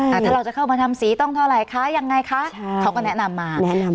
ถ้าเราจะเข้ามาทำสีต้องเท่าไหร่คะยังไงคะใช่เขาก็แนะนำมาแนะนำ